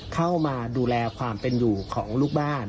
เข้ามาดูแลความเป็นอยู่ของลูกบ้าน